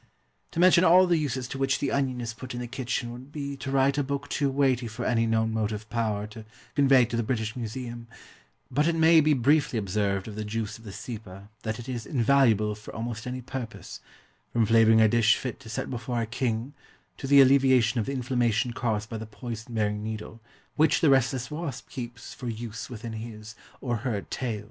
To mention all the uses to which the onion is put in the kitchen would be to write a book too weighty for any known motive power to convey to the British Museum; but it may be briefly observed of the juice of the Cepa that it is invaluable for almost any purpose, from flavouring a dish fit to set before a king, to the alleviation of the inflammation caused by the poison bearing needle which the restless wasp keeps for use within his, or her, tail.